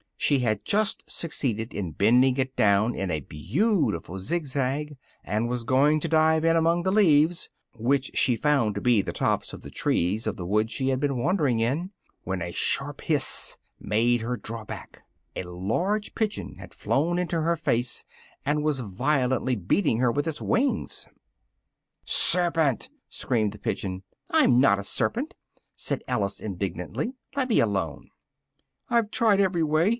She had just succeeded in bending it down in a beautiful zig zag, and was going to dive in among the leaves, which she found to be the tops of the trees of the wood she had been wandering in, when a sharp hiss made her draw back: a large pigeon had flown into her face, and was violently beating her with its wings. "Serpent!" screamed the pigeon. "I'm not a serpent!" said Alice indignantly, "let me alone!" "I've tried every way!"